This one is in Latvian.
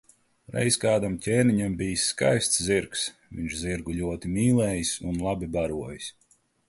Reiz kādam ķēniņam bijis skaists zirgs, viņš zirgu ļoti mīlējis un labi barojis.